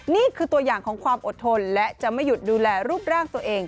นี่คือตัวอย่างของความอดทนและจะไม่หยุดดูแลรูปร่างตัวเอง